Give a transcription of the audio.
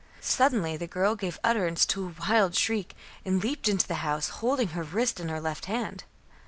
Suddenly the girl gave utterance to a wild shriek and leaped into the house, holding her wrist in her left hand.